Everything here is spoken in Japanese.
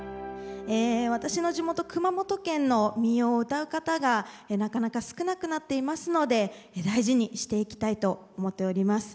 私の地元熊本県の民謡をうたう方がなかなか少なくなっていますので大事にしていきたいと思っております。